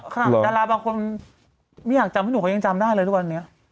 จำดาราบางคนไม่อยากจำบอกว่าอย่างนี้เขาจำได้เลย